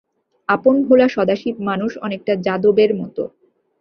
আপনভোলা সদাশিব মানুষ, অনেকটা যাদবের মতো!